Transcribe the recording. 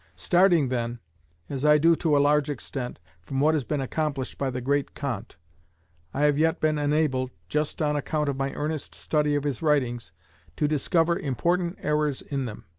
Starting then, as I do to a large extent, from what has been accomplished by the great Kant, I have yet been enabled, just on account of my earnest study of his writings, to discover important errors in them.